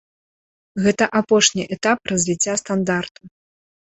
Гэта апошні этап развіцця стандарту.